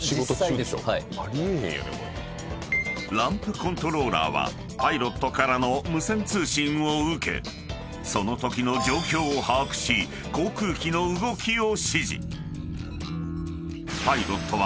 ［ランプコントローラーはパイロットからの無線通信を受けそのときの状況を把握し航空機の動きを指示］